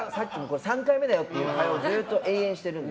３回目だよっていう会話をずっと延々しているので。